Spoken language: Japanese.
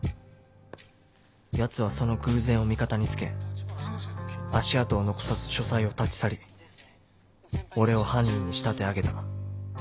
ヤツはその偶然を味方に付け足跡を残さず書斎を立ち去り俺を犯人に仕立て上げた